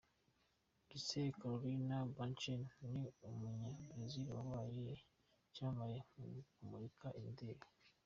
Gisèle Caroline Bündchen:Ni umunya-brazil wabaye icyamamare mu kumurika imideli.